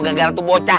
gagal tuh bocah